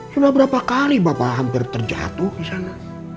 sudah berapa kali bapak hampir terjatuh di sana